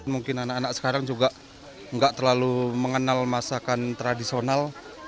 mungkin anak anak sekarang juga nggak terlalu mengenal masakan tradisional